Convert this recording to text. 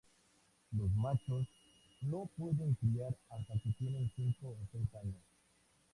Los machos no pueden criar hasta que tienen cinco o seis años.